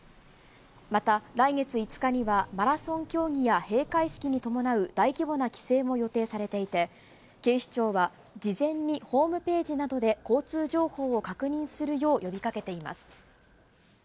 また、来月５日にはマラソン競技や閉会式に伴う大規模な規制も予定されていて、警視庁は事前にホームページなどで、交通情報を確認するよう呼びかけています。